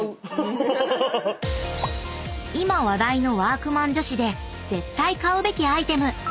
［今話題の＃ワークマン女子で絶対買うべきアイテム］